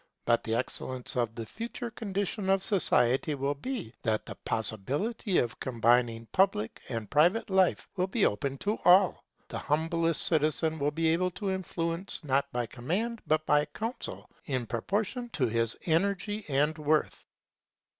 But the excellence of the future condition of society will be, that the possibility of combining public and private life will be open to all. The humblest citizen will be able to influence not by command but by counsel, in proportion to his energy and worth.